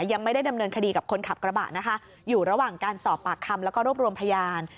ยังไม่ได้ดำเนินคดีกับคนขับกระบะนะคะอยู่ระหว่างการสอบปากคำแล้วก็รวบรวมพยาน